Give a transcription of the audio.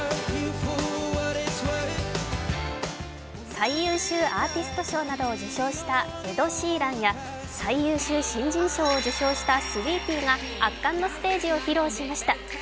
最優秀アーティスト賞などを受賞したエド・シーランや最優秀新人賞を受賞したスウィーティーが圧巻のステージを披露しました。